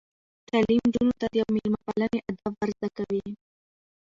تعلیم نجونو ته د میلمه پالنې آداب ور زده کوي.